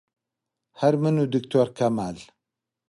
هەر من و دکتۆر کەمال